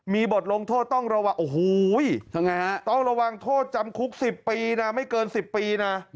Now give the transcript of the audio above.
มีบทลงโทษต้องระวังโอ้โหต้องระวังโทษจำคุก๑๐ปีนะไม่เกิน๑๐ปีนะ